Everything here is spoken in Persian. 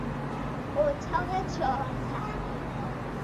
اتاق چهار تختی